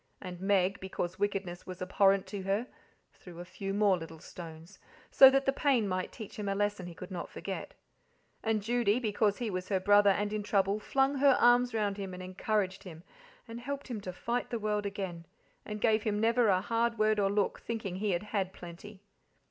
And Meg, because wickedness was abhorrent to her, threw a few more little stones, so that the pain might teach him a lesson he could not forget. And Judy, because he was her brother and in trouble, flung her arms round him and encouraged him, and helped him to fight the world again, and gave him never a hard word or look, thinking he had had plenty.